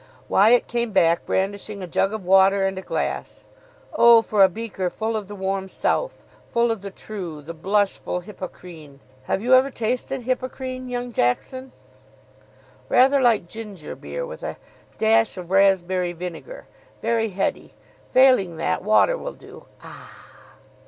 Wyatt came back, brandishing a jug of water and a glass. "Oh, for a beaker full of the warm south, full of the true, the blushful Hippocrene! Have you ever tasted Hippocrene, young Jackson? Rather like ginger beer, with a dash of raspberry vinegar. Very heady. Failing that, water will do.